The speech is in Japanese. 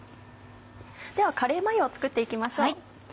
ではカレーマヨを作って行きましょう。